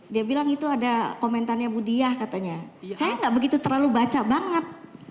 dia bilang itu ada komentarnya bu diah katanya saya nggak begitu terlalu baca banget